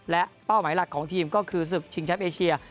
และเป้าหมายหลักของทีมก็คือศึกชิงแชมป์เอเชีย